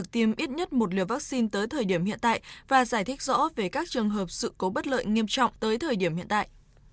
tới thời điểm hiện tại và giải thích rõ về các trường hợp sự cố bất lợi nghiêm trọng tới thời điểm hiện tại